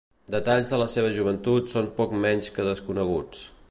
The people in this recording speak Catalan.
Detalls de la seva joventut són poc menys que desconeguts.